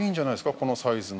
このサイズの。